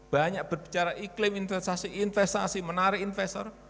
banyak berbicara iklim investasi investasi menarik investor